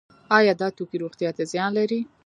آیا دا توکي روغتیا ته زیان لري؟